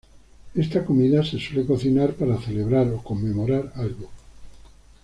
Esta comida se suele cocinar para celebrar o conmemorar algo.